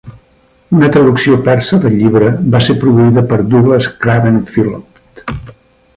Una traducció persa del llibre va ser produïda per Douglas Craven Phillott.